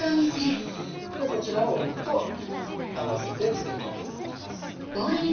ではこちらを肉と合わせて漬け込んでいきます。